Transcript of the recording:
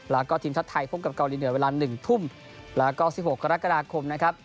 แล้วก็ทีมชาติไทยพบกับเกาหลีเหนือเวลา๑ทุ่มแล้วก็๑๖กรกฎาคมนะครับ